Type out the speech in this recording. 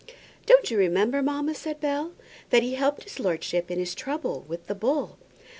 "Don't you remember, mamma," said Bell, "that he helped his lordship in his trouble with the bull?"